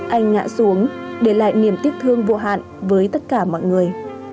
anh ngã xuống để lại niềm tiếc thương vô hạn với tất cả mọi người